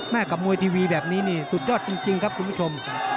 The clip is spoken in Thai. กับมวยทีวีแบบนี้นี่สุดยอดจริงครับคุณผู้ชม